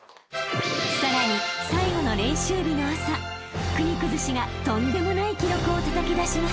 ［さらに最後の練習日の朝國崩しがとんでもない記録をたたき出します］